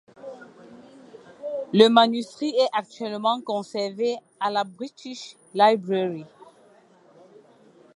Le manuscrit est actuellement conservé à la British Library.